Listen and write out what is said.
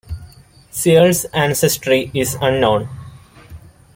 Cearl's ancestry is unknown.